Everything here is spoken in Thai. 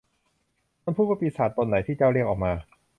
มันพูดว่า ปีศาจตนไหนที่เจ้าเรียกออกมา